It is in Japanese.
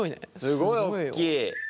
すごいおっきい。